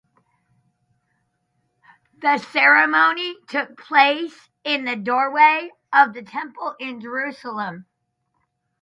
This ceremony took place in the doorway of the Temple in Jerusalem.